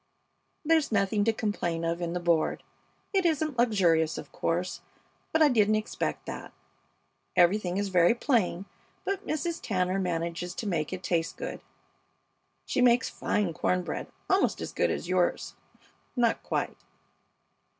There's nothing to complain of in the board. It isn't luxurious, of course, but I didn't expect that. Everything is very plain, but Mrs. Tanner manages to make it taste good. She makes fine corn bread, almost as good as yours not quite.